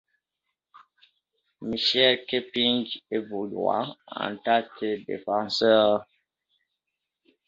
Michael Keeping évolua en tant que défenseur.